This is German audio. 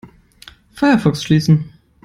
Firefox schließen.